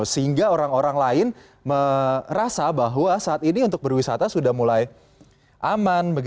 sehingga orang orang lain merasa bahwa saat ini untuk berwisata sudah mulai aman